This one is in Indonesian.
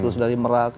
terus dari merak